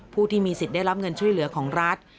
ผู้ที่มีสิทธิ์ได้รับเงินช่วยเหลือของรัฐ